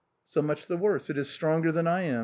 " So much the worse, it is stronger than I am.